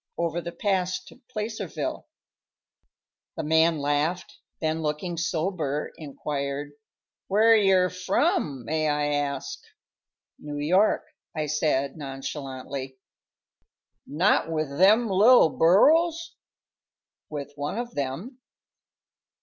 "Over the pass to Placerville." The man laughed, then, looking sober, inquired, "Where yer from, may I ask?" "New York," I said, nonchalantly. "Not with them little burros?" "With one of them."